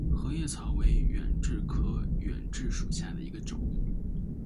合叶草为远志科远志属下的一个种。